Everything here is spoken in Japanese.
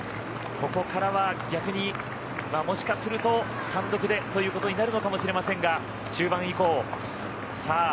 ここからは逆にもしかすると単独でということになるのかもしれませんが中盤以降。